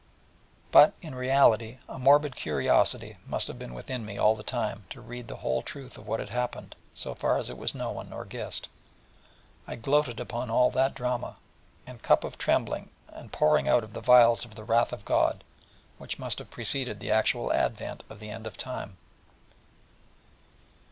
But, in reality, a morbid curiosity must have been within me all the time to read the real truth of what had happened, so far as it was known, or guessed, and to gloat upon all that drama, and cup of trembling, and pouring out of the vials of the wrath of God, which must have preceded the actual advent of the end of Time.